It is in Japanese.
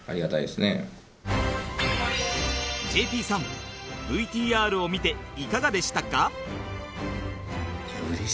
ＪＰ さん ＶＴＲ を見ていかがでしたか？